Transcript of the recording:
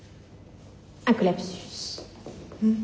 うん。